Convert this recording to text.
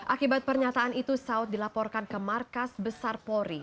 akibat pernyataan itu saud dilaporkan ke markas besar polri